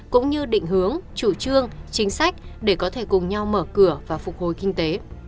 cũng như định hướng chủ trương chính sách để có thể cùng nhau mở cửa và phục hồi kinh tế